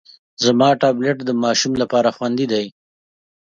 سیاسي بنسټونه د فرهاد داوري د اثارو څخه دی.